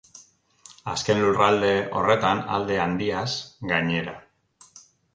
Azken lurralde horretan alde handiaz, gainera.